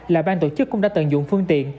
là ban tổ chức cũng đã tận dụng phương tiện